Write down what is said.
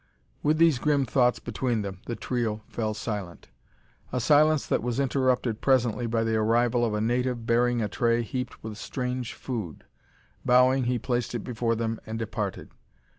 With these grim thoughts between them, the trio fell silent. A silence that was interrupted presently by the arrival of a native bearing a tray heaped with strange food. Bowing, he placed it before them and departed.